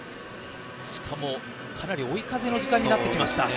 しかも、かなり追い風の時間になってきました。